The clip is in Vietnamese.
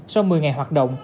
sau một mươi ngày hoạt động